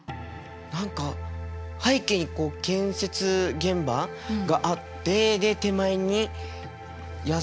何か背景に建設現場があってで手前に野生の動物がある。